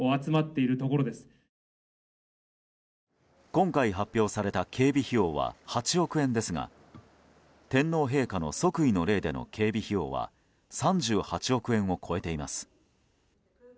今回、発表された警備費用は８億円ですが天皇陛下の即位の礼での警備費用は３８億円を超えています。